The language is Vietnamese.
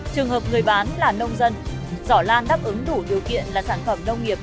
trường hợp người bán là nông dân giỏ lan đáp ứng đủ điều kiện là sản phẩm nông nghiệp